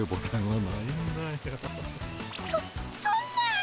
そそんな。